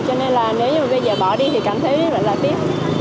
cho nên là nếu như bây giờ bỏ đi thì cảm thấy rất là tiếc